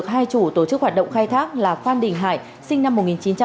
hai chủ tổ chức hoạt động khai thác là phan đình hải sinh năm một nghìn chín trăm tám mươi